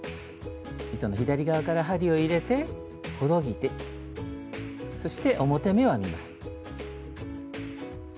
糸の左側から針を入れてほどいてそして表目を編みます。